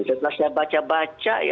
setelah saya baca baca